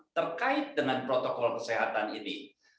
terkait dengan protokol kesehatan ini